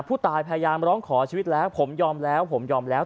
พยายามร้องขอชีวิตแล้วผมยอมแล้วผมยอมแล้ว